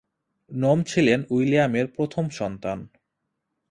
নোম ছিলেন উইলিয়ামের প্রথম সন্তান।